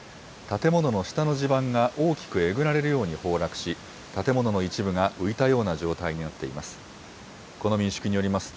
建物の下の地盤が大きくえぐられるように崩落し、建物の一部が浮いたような状態になっています。